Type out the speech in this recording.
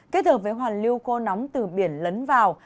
kết hợp với hoàn lưu khô nóng từ biển lấn vào